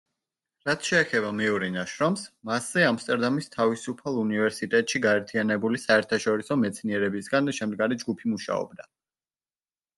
რაც შეეხება მეორე ნაშრომს, მასზე ამსტერდამის თავისუფალ უნივერსიტეტში გაერთიანებული საერთაშორისო მეცნიერებისგან შემდგარი ჯგუფი მუშაობდა.